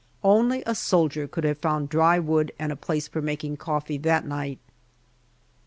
Only a soldier could have found dry wood and a place for making coffee that night.